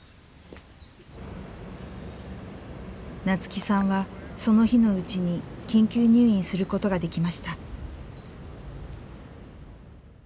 夏輝さんはその日のうちに緊急入院することができました。